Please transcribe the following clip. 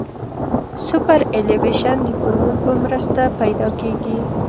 سوپرایلیویشن د فورمول په مرسته پیدا کیږي